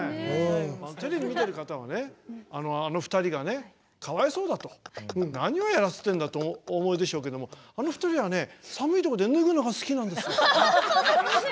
テレビ見てる方はあの２人がかわいそうだと何をやらせてるんだとお思いでしょうけどあの２人は寒いところで脱ぐのが好きなんですよ。